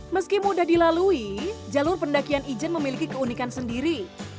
meski mudah dilalui jalur pendakian ijen memiliki keunikan sendiri